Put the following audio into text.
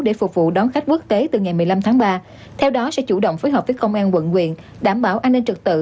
để phục vụ đón khách quốc tế từ ngày một mươi năm tháng ba theo đó sẽ chủ động phối hợp với công an quận quyện đảm bảo an ninh trật tự